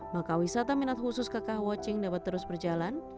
maka wisata minat khusus kakak watching dapat terus berjalan